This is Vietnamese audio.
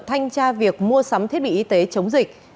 thanh tra việc mua sắm thiết bị y tế chống dịch